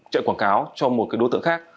chạy quảng cáo cho một đối tượng khác